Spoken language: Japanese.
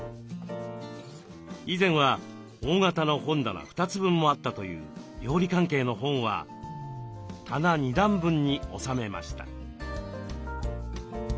以前は大型の本棚２つ分もあったという料理関係の本は棚２段分に収めました。